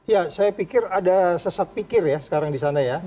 ya saya pikir ada sesat pikir ya sekarang di sana ya